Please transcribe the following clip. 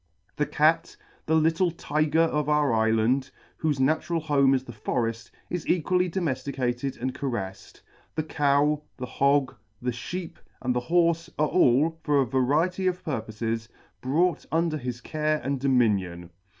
The Cat, the little Tyger of our ifland, whofe natural home is the forefl, is equally domeflicated and carelfed. The Cow, the Hog, the Sheep, and the Horfe, are all, for a variety of purpofes, brought under his care and dominion.